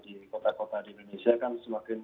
di kota kota di indonesia kan semakin